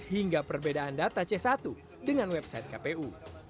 hingga perbedaan data c satu dengan website kpu